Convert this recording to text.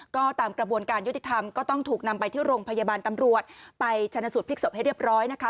ก็ตามกระบวนการยุติธรรมก็ต้องถูกนำไปที่โรงพยาบาลตำรวจไปชนะสูตรพลิกศพให้เรียบร้อยนะคะ